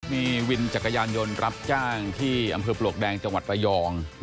มีวินจักรยานยนต์รับจ้างที่อำเภอปลวกแดงจังหวัดระยอง